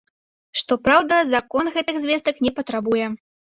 Што праўда, закон гэтых звестак не патрабуе.